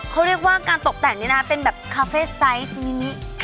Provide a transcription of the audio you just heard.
เขาเรียกว่าการตกแต่งนี่นะเป็นแบบคาเฟ่ไซส์มินิ